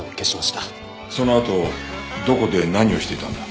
そのあとどこで何をしていたんだ？